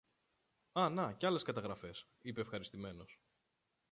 Α, να και άλλες καταγραφές, είπε ευχαριστημένος